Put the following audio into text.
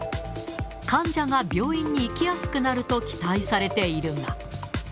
患者が病院に行きやすくなると期待されているが。